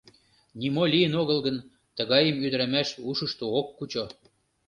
Нимо лийын огыл гын, тыгайым ӱдырамаш ушышто ок кучо.